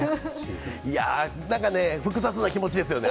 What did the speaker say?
いやー、なんかね、複雑な気持ちですよね。